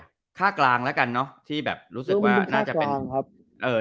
หน้ากลางละกันเนาะที่แบบรู้สึกว่าน่าจะเป็น